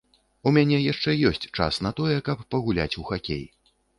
У мяне яшчэ ёсць час на тое, каб пагуляць у хакей.